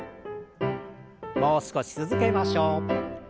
もう少し続けましょう。